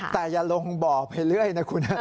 แต่อย่าลงบ่อไปเรื่อยนะคุณ